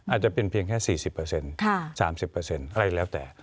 อาจจะเป็นเพียงแค่๔๐๓๐อะไรแล้วแต่